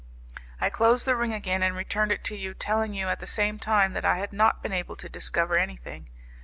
I closed the ring again and returned it to you, telling you at the same time that I had not been able to discover anything.